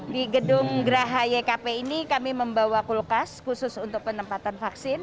di gedung geraha ykp ini kami membawa kulkas khusus untuk penempatan vaksin